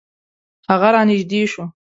هغه را نژدې شو .